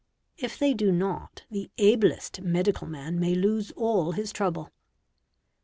If they do not, the ablest edical man may lose all his trouble. 9.